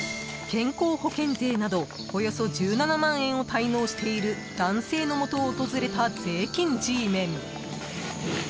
［健康保険税などおよそ１７万円を滞納している男性の元を訪れた税金Ｇメン］